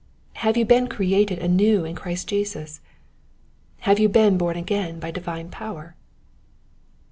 Have you been created anew in Christ Jesus? Have you been born again by divine power?